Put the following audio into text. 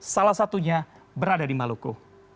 salah satunya berada di maluku